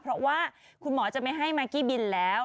เพราะว่าคุณหมอจะไม่ให้มากกี้บินแล้ว